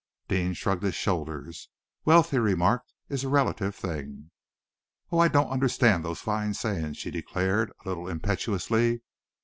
Deane shrugged his shoulders. "Wealth," he remarked, "is a relative thing." "Oh! I don't understand those fine sayings!" she declared, a little impetuously.